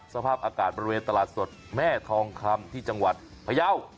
สภาพอากาศบริเวณตลาดสดแม่ทองคำที่จังหวัดพยาว